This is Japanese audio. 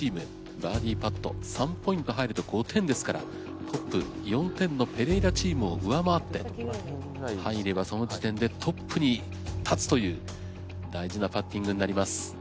バーディパット３ポイント入ると５点ですからトップ４点のペレイラチームを上回って入ればその時点でトップに立つという大事なパッティングになります。